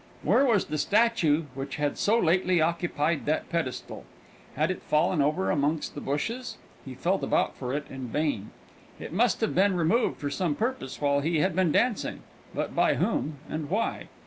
Where was the statue which had so lately occupied that pedestal? Had it fallen over amongst the bushes? He felt about for it in vain. It must have been removed for some purpose while he had been dancing; but by whom, and why?